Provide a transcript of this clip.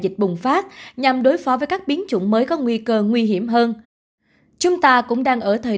dịch bùng phát nhằm đối phó với các biến chủng mới có nguy cơ nguy hiểm hơn chúng ta cũng đang ở thời